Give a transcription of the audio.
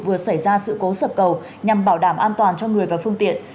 vừa xảy ra sự cố sập cầu nhằm bảo đảm an toàn cho người và phương tiện